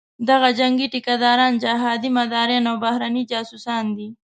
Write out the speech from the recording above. دغه جنګي ټیکه داران، جهادي مداریان او بهرني جاسوسان دي.